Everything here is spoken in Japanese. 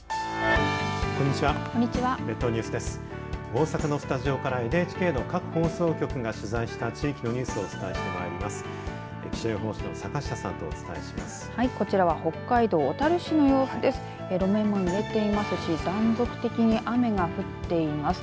大阪のスタジオからＮＨＫの各放送局が取材した地域のニュースをお伝えします。